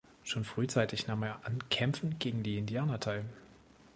Schon frühzeitig nahm er an Kämpfen gegen die Indianer teil.